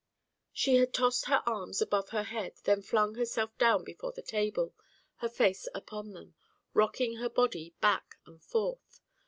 She had tossed her arms above her head then flung herself down before the table, her face upon them, rocking her body back and forth.